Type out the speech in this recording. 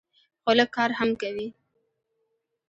خو لږ کار هم کوي.